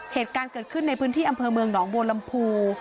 เหตุการณ์เกิดขึ้นในพื้นที่อำเภอเมืองหนองบัวลำพู